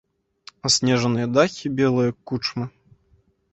Аснежаныя дахі белыя кучмы.